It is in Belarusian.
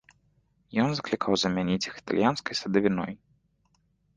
Ён заклікаў замяніць іх італьянскай садавіной.